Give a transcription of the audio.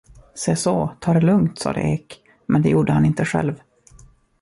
Seså, ta det lugnt, sade Ek, men det gjorde han inte själv.